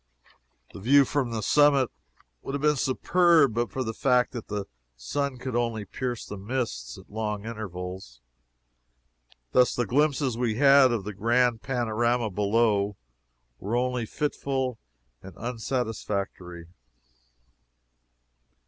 The view from the summit would have been superb but for the fact that the sun could only pierce the mists at long intervals. Thus the glimpses we had of the grand panorama below were only fitful and unsatisfactory.